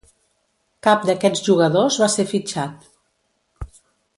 Cap d'aquests jugadors va ser fitxat.